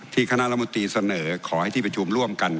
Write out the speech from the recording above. ที่คณะลมตรีเสนอขอให้ที่ประจูบร่วมกันของ